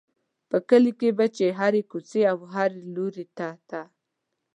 په کلي کې به چې هرې کوڅې او هر لوري ته ته.